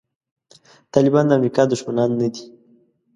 طالبان د امریکا دښمنان نه دي.